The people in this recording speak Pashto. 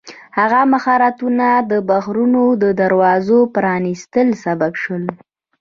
هغه مهارتونه د بحرونو د دروازو پرانیستلو سبب شول.